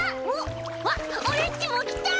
わっオレっちもきた！